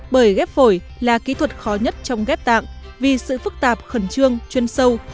bởi ghép phổi là kỹ thuật khó nhất trong ghép tạng vì sự phức tạp khẩn trương chuyên sâu